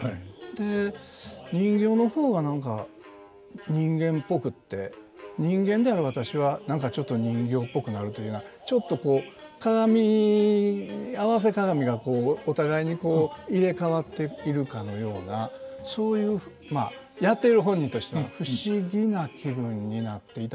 で人形の方が何か人間っぽくって人間である私は何かちょっと人形っぽくなるというようなちょっとこう鏡合わせ鏡がこうお互いにこう入れ代わってくるかのようなそういうやっている本人としては不思議な気分になっていたんですけど。